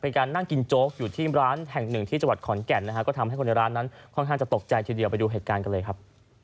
การนั่งกินโจ๊กอยู่ที่ร้านแห่งหนึ่งที่จังหวัดขอนแก่นนะฮะก็ทำให้คนในร้านนั้นค่อนข้างจะตกใจทีเดียวไปดูเหตุการณ์กันเลยครับ